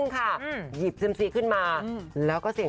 ชูให้กล้อง